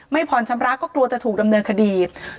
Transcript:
ผ่อนชำระก็กลัวจะถูกดำเนินคดี